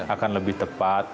akan lebih tepat